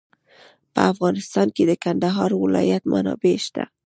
په افغانستان کې د کندهار ولایت منابع شته.